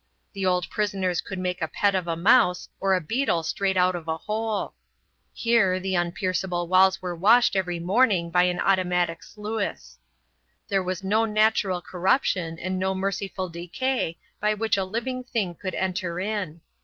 The old prisoners could make a pet of a mouse or a beetle strayed out of a hole. Here the unpierceable walls were washed every morning by an automatic sluice. There was no natural corruption and no merciful decay by which a living thing could enter in.